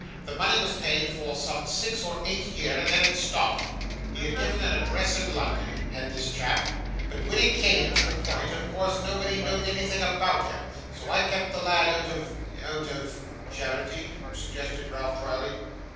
'The money was paid for some six or eight year, and then it stopped. He had given an address in London, had this chap; but when it came to the point, of course nobody knowed anything about him. So I kept the lad out of out of ' 'Charity?' suggested Ralph drily.